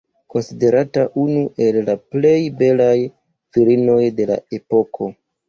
Konsiderata unu el la plej belaj virinoj de la epoko.